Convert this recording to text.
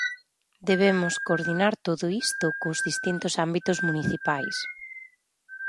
Debemos coordinar todo isto cos distintos ámbitos municipais.